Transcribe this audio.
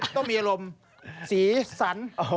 ต้องมีอารมณ์สีสัน